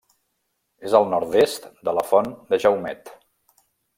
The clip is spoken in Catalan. És al nord-est de la Font de Jaumet.